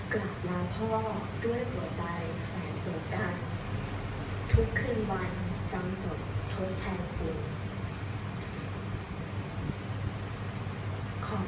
กราบลาพ่อด้วยหัวใจแสงสงการทุกคืนวันจำจดทดแทนคุณ